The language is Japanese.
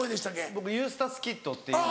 僕ユースタス・キッドっていう。